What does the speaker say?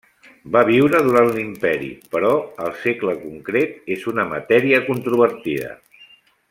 Va viure durant l'Imperi, però el segle concret és una matèria controvertida.